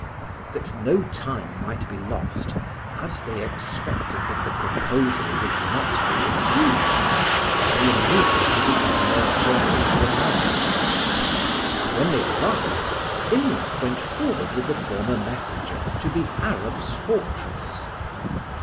That no time might be lost, as they expected that the proposal would not be refused, they immediately began their journey to the monastery; and when they arrived, Imlac went forward with the former messenger to the Arab's fortress.